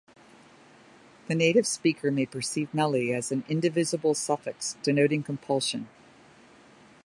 The native speaker may perceive "-meli" as an indivisible suffix denoting compulsion.